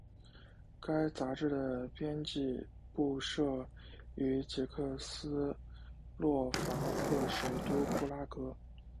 该杂志的编辑部设于捷克斯洛伐克首都布拉格。